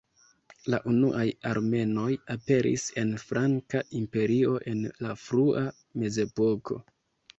La unuaj armenoj aperis en Franka imperio en la frua mezepoko.